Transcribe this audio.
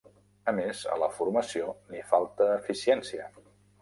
A més, a la formació li falta eficiència.